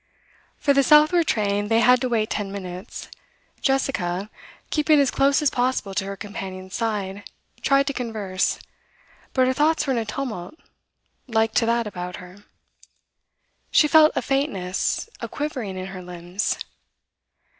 For the southward train they had to wait ten minutes. Jessica, keeping as close as possible to her companion's side, tried to converse, but her thoughts were in a tumult like to that about her. She felt a faintness, a quivering in her limbs.